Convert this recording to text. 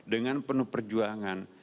dengan penuh perjuangan